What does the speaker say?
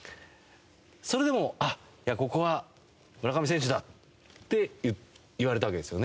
それでもいやここは村上選手だって言われたわけですよね？